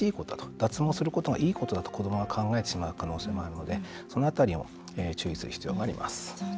脱毛することがいいことだと子どもが考えてしまう可能性もあるので、その辺りを注意する必要があります。